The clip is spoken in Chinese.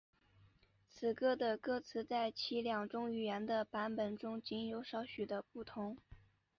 此歌的歌词在其两种语言的版本中仅有少许的不同。